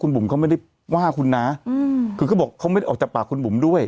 บุ๋มเขาไม่ได้ว่าคุณนะคือเขาบอกเขาไม่ได้ออกจากปากคุณบุ๋มด้วย